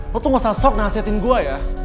lo tuh gak usah sok nasihatin gue ya